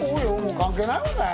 関係ないもんね。